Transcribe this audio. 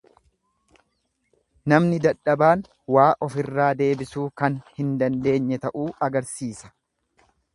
Namni dadhabaan waa ofirraa deebisuu kan hin dandeenye ta'uu agarsiisa.